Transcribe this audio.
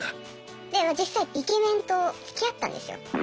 で実際イケメンとつきあったんですよ。